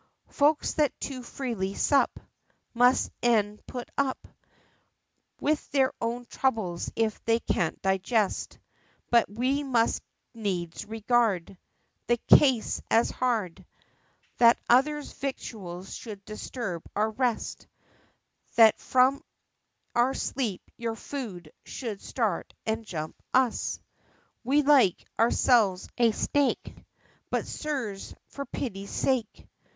"Folks that too freely sup Must e'en put up With their own troubles if they can't digest; But we must needs regard The case as hard That others' victuals should disturb our rest, That from our sleep your food should start and jump us! We like, ourselves, a steak, But, Sirs, for pity's sake!